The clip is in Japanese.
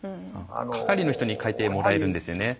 係の人に書いてもらえるんですよね。